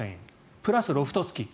プラス、ロフト付き。